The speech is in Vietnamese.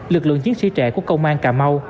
lực lượng chiến sĩ trẻ của công an cà mau